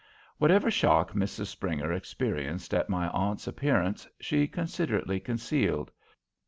Whatever shock Mrs. Springer experienced at my aunt's appearance, she considerately concealed.